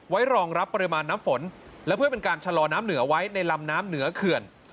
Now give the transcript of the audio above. รองรับปริมาณน้ำฝนและเพื่อเป็นการชะลอน้ำเหนือไว้ในลำน้ำเหนือเขื่อน